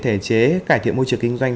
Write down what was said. thể chế cải thiện môi trường kinh doanh